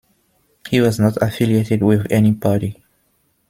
He was not affiliated with any party.